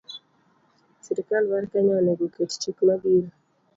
Sirkal mar Kenya onego oket chik ma biro